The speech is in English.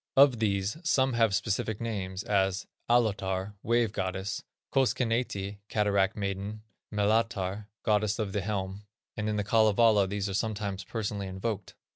Of these, some have specific names; as Allotar (wave goddess), Koskenneiti (cataract maiden), Melatar (goddess of the helm), and in The Kalevala these are sometimes personally invoked.